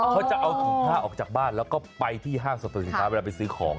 เขาจะเอาถุงผ้าออกจากบ้านแล้วก็ไปที่ห้างสรรพสินค้าเวลาไปซื้อของ